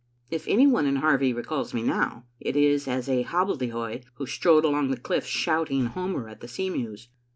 "If any one in Harvie recalls me now, it is as a hobbledehoy who strode along the cliffs, shouting Homer at the sea mews.